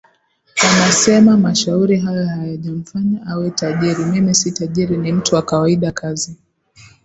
anasema mashauri hayo hayajamfanya awe tajiriMimi si tajiri ni mtu wa kawaida Kazi